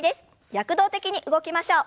躍動的に動きましょう。